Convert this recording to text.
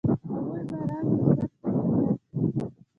هغوی به يې راز مثبت فکر ياد کړي.